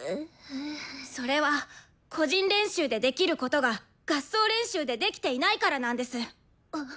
それは個人練習でできることが合奏練習でできていないからなんです。